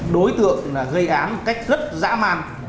đối tượng gây án cách rất giảm